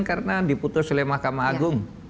karena diputus oleh mahkamah agung